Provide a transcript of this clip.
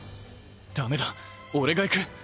ダメだ俺が行く。